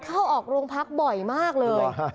เข้าออกโรงพักบ่อยมากเลย